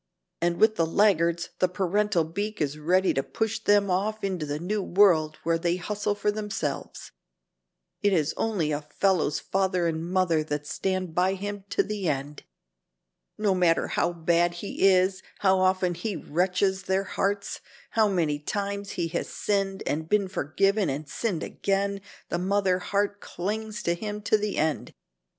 And with the laggards, the parental beak is ready to push them off into the new world where they hustle for themselves. It is only a fellow's father and mother that stand by him to the end. No matter how bad he is, how often he wrenches their hearts, how many times he has sinned and been forgiven and sinned again, the mother heart clings to him to the end.